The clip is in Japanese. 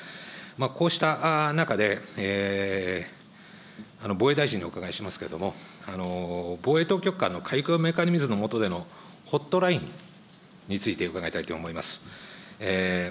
こうした中で、防衛大臣にお伺いしますけれども、防衛当局間の海空メカニズムについての、ホットラインについて伺いたいと思います。